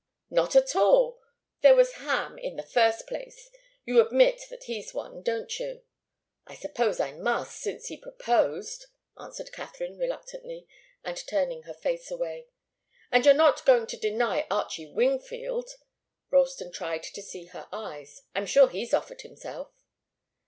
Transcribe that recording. "Not at all. There was Ham, in the first place. You admit that he's one, don't you?" "I suppose I must, since he proposed," answered Katharine, reluctantly, and turning her face away. "And you're not going to deny Archie Wingfield?" Ralston tried to see her eyes. "I'm sure he's offered himself."